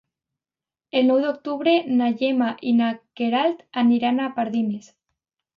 El nou d'octubre na Gemma i na Queralt aniran a Pardines.